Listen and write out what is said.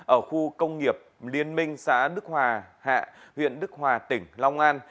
ở khu công nghiệp liên minh xã đức hòa hạ huyện đức hòa tỉnh long an